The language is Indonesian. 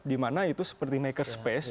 dimana itu seperti maker space